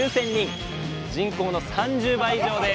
人口の３０倍以上ですえすごい！